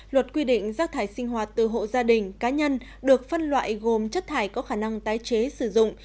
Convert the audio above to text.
luật quy định rác thải sinh hoạt từ hộ gia đình cá nhân được phân loại gồm chất thải có khả năng tái chế sử dụng